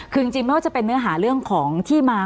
คือจริงไม่ว่าจะเป็นเนื้อหาเรื่องของที่มา